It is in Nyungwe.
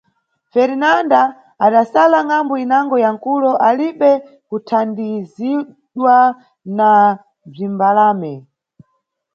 Ferinanda adasala ngʼambu inango ya nʼkulo, alibe kuthandizidwa na bzimbalame.